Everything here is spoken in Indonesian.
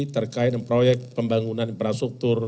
terkait proyek pembangunan infrastruktur